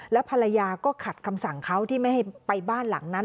แล้วภรรยาก็ขัดคำสั่งเขาที่ไม่ให้ไปบ้านหลังนั้น